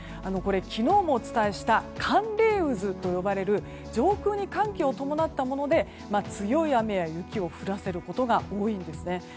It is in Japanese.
これは昨日もお伝えした寒冷渦と呼ばれる上空に寒気を伴ったもので強い雨や雪を降らせることが多いんです。